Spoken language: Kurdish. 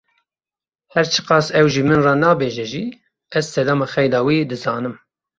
Her çi qas ew ji min re nabêje jî, ez sedema xeyda wî dizanim.